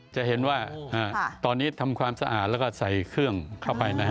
จะเห็นว่าตอนนี้ทำความสะอาดแล้วก็ใส่เครื่องเข้าไปนะฮะ